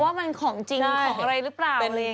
ว่ามันของจริงของอะไรหรือเปล่า